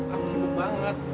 aku sibuk banget